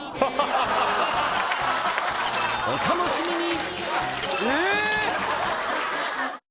お楽しみに！